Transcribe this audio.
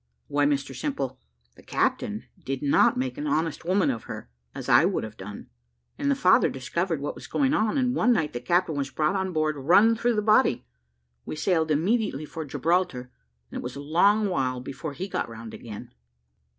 "Why, Mr Simple, the captain did not make an honest woman of her, as I would have done; and the father discovered what was going on, and one night the captain was brought on board run through the body. We sailed immediately for Gibraltar, and it was a long while before he got round again."